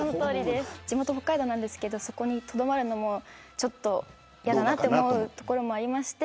地元が北海道なんですけどそこにとどまるのも嫌だなと思うところもありまして。